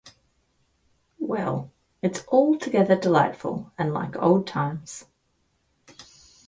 Well, it's altogether delightful, and like old times.